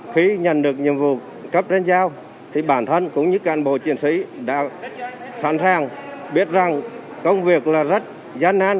khi nhận được nhiệm vụ cấp trên giao thì bản thân cũng như cán bộ chiến sĩ đã sẵn sàng biết rằng công việc là rất gian nan